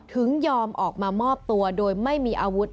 ถึงยอมออกมามอบตัวโดยไม่มีอาวุธ